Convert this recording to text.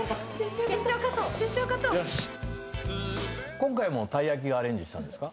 今回もたいやきがアレンジしたんですか？